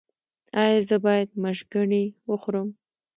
ایا زه باید مشګڼې وخورم؟